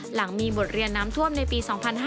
หลังมีบทเรียนน้ำท่วมในปี๒๕๕๙